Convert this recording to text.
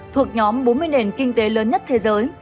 thuộc nhóm bốn mươi nền kinh tế lớn nhất thế giới